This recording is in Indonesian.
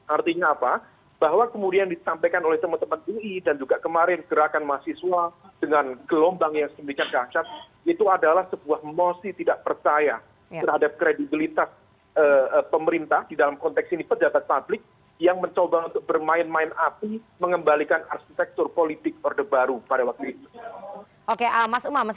artinya apa bahwa kemudian disampaikan oleh teman teman ui dan juga kemarin gerakan mahasiswa dengan gelombang yang sejumlahnya kacat itu adalah sebuah emosi tidak percaya terhadap kredibilitas